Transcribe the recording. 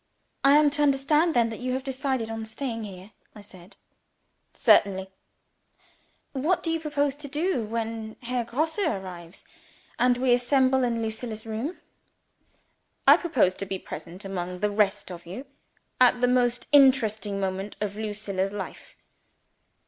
"I am to understand then that you have decided on staying here?" I said. "Certainly!" "What do you propose to do, when Herr Grosse arrives, and we assemble in Lucilla's room?" "I propose to be present among the rest of you, at the most interesting moment of Lucilla's life."